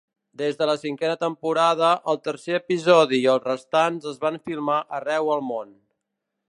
Des de la cinquena temporada, el tercer episodi i els restants es van filmar arreu el món.